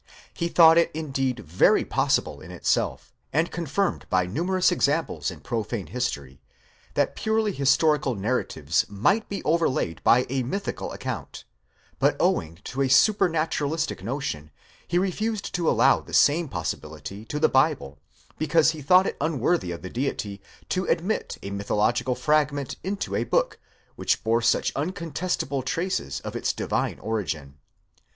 He thought it indeed very possible in itself, and confirmed by numerous examples in profane history, that purely historical narratives might be overlaid by a mythical account ; but owing to a supranaturalistic notion, he refused to allow the same possibility to the Bible, because he thought it unworthy of the Deity to admit a mythological fragment into a book, which bore such incontestable traces of its divine origin.